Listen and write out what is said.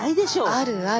あるある。